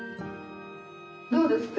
どうですか？